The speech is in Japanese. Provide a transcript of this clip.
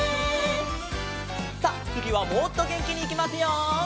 さっつぎはもっとげんきにいきますよ！